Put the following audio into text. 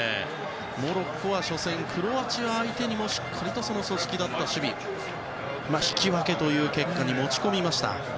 モロッコは初戦、クロアチア相手にもしっかりと組織立った守備引き分けという結果に持ち込みました。